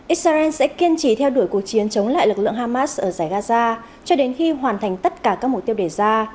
israel sẽ kiên trì theo đuổi cuộc chiến chống lại lực lượng hamas ở giải gaza cho đến khi hoàn thành tất cả các mục tiêu đề ra